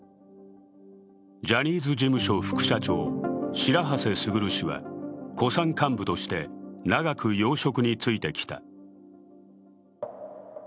ジャニーズ事務所副社長白波瀬傑氏は古参幹部として長く要職に就いてきた。